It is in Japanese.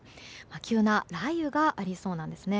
急な雷雨がありそうなんですね。